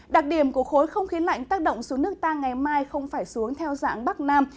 đặc điểm của khối không khí lạnh tác động xuống nước ta ngày mai không phải xuống theo dạng bắc nam